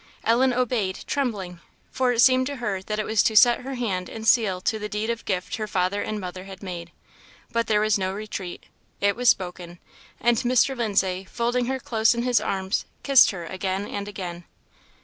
Ellen obeyed, trembling, for it seemed to her that it was to set her hand and seal to the deed of gift her father and mother had made. But there was no retreat it was spoken and Mr. Lindsay, folding her close in his arms kissed her again and again.